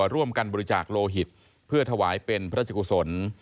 ร่วมกันบริจาคโลหิตเพื่อถวายเป็นพระราชกุศล